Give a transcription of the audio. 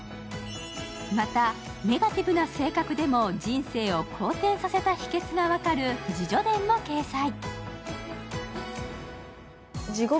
また、ネガティブな性格でも人生を好転させた秘訣が分かる自叙伝も掲載。